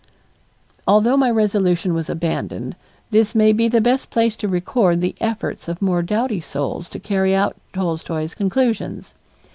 Although my resolution was abandoned, this may be the best place to record the efforts of more doughty souls to carry out Tolstoy's conclusions.